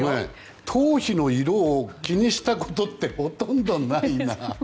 頭皮の色を気にしたことってほとんどないな。